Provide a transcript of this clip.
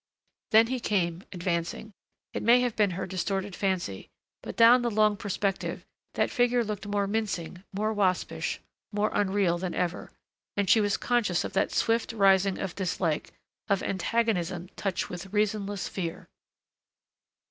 Then he came, advancing.... It may have been her distorted fancy, but down the long perspective, that figure looked more mincing, more waspish, more unreal than ever. And she was conscious of that swift rising of dislike, of antagonism touched with reasonless fear.